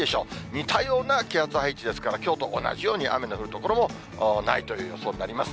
似たような気圧配置ですから、きょうと同じように雨の降る所もないという予想になります。